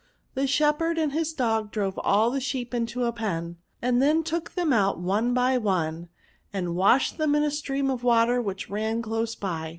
The shepherd and his dog drove all the sheep into a pen, and then took them out one by one, and washed them in a stream of water which ran dose by.